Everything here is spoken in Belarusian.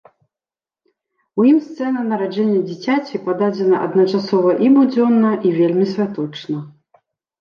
У ім сцэна нараджэння дзіцяці пададзена адначасова і будзённа і вельмі святочна.